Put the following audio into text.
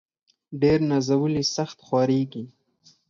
ډير نازولي ، سخت خوارېږي.